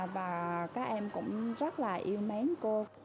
và các em cũng rất là yêu mến cô